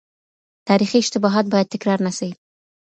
تاريخي اشتباهات بايد تکرار نه سي.